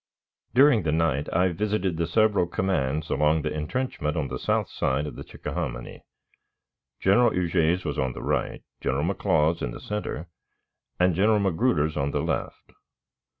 During the night I visited the several commands along the intrenchment on the south side of the Chickahominy. General Huger's was on the right, General McLaws's in the center, and General Magruder's on the left.